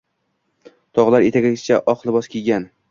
Tog`lar etagigacha oq libos kiygan